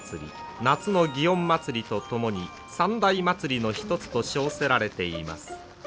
夏の園祭と共に三大祭の一つと称せられています。